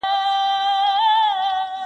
اوس حیا پکښي خرڅیږي بازارونه دي چي زیږي.!